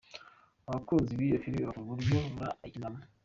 Abakunzi b’iyo filime bakunda uburyo Laura ayikinamo.